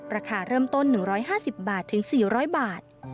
ราคาเริ่มต้น๑๕๐บาทถึง๔๐๐บาท